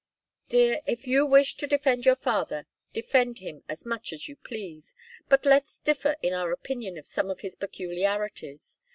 "Dear if you wish to defend your father, defend him as much as you please. But let's differ in our opinion of some of his peculiarities.